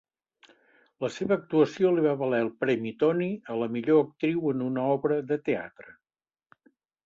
La seva actuació li va valer el premi Tony a la millor actriu en una obra de teatre.